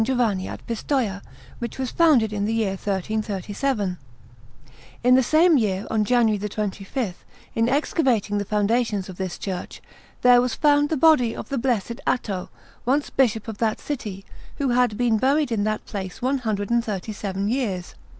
Giovanni at Pistoia, which was founded in the year 1337. In that same year, on January 25, in excavating the foundations of this church, there was found the body of the Blessed Atto, once Bishop of that city, who had been buried in that place one hundred and thirty seven years.